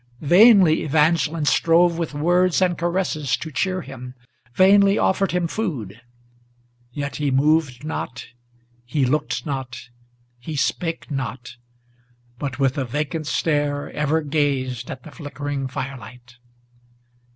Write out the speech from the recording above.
Vainly Evangeline strove with words and caresses to cheer him, Vainly offered him food; yet he moved not, he looked not, he spake not, But, with a vacant stare, ever gazed at the flickering fire light.